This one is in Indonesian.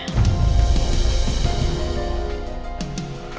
pada saat ini